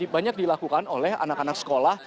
banyak dilakukan oleh anak anak sekolah